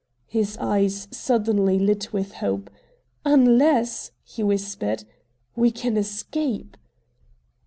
His eyes suddenly lit with hope. "Unless," he whispered, "we can escape!"